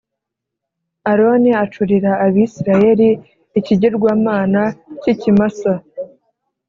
Aroni acurira Abisirayeli ikigirwamana cy ikimasa